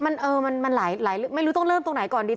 มันเออมันหลายไม่รู้ต้องเริ่มตรงไหนก่อนดี